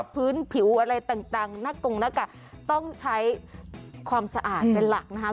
พื้นผิวอะไรต่างหน้ากงหน้ากากต้องใช้ความสะอาดเป็นหลักนะคะ